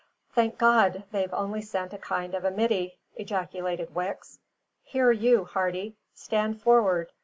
"Thank God, they've only sent a kind of a middy!" ejaculated Wicks. "Here you, Hardy, stand for'ard!